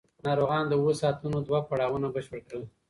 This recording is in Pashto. ناروغان د اوو ساعتونو دوه پړاوونه بشپړ کړل.